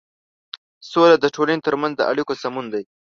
سوله د ټولنې تر منځ د اړيکو سمون دی.